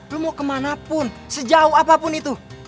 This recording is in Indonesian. lo mau kemana pun sejauh apapun itu